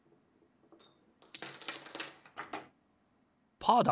パーだ！